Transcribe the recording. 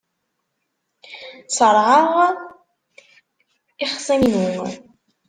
Ṣerɛeɣ ixṣimen-inu.